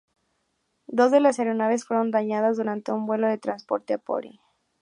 Dos de las aeronaves fueron dañadas durante un vuelo de transporte a Pori.